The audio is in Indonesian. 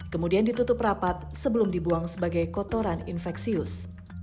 kemudian ditutup rapat sebelum dibuang sebagai kotoran infeksius